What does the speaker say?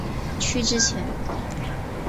区之前。